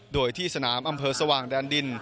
โดยที่สนามอำเภอสว่างแดนดิน